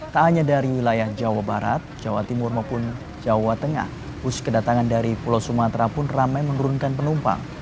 tak hanya dari wilayah jawa barat jawa timur maupun jawa tengah bus kedatangan dari pulau sumatera pun ramai menurunkan penumpang